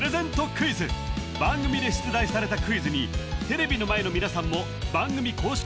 クイズ番組で出題されたクイズにテレビの前の皆さんも番組公式